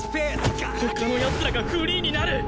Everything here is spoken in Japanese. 他の奴らがフリーになる！